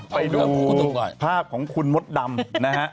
ไปดูภาพของคุณมดดำนะฮะ